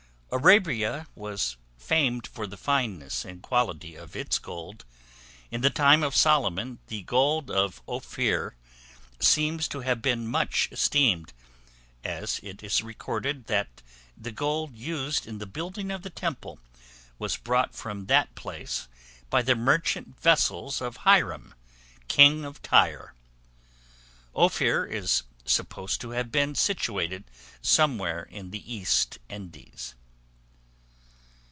Arabia was famed for the fineness and quality of its gold. In the time of Solomon, the gold of Ophir seems to have been much esteemed, as it is recorded that the gold used in the building of the Temple was brought from that place by the merchant vessels of Hiram, King of Tyre. Ophir is supposed to have been situated somewhere in the East Indies.